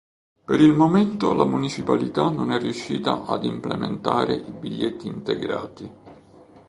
Per il momento la municipalità non è riuscita ad implementare i biglietti integrati.